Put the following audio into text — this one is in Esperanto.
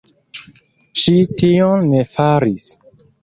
Ŝi tion ne faris.